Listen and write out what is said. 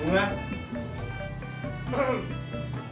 bunga jangan saya pilih ya